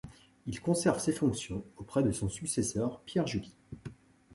Il conserve ses fonctions auprès de son successeur, Pierre July.